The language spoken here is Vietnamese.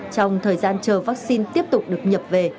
trong thời gian chờ vaccine tiếp tục được nhập về